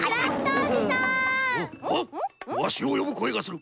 おっわしをよぶこえがする。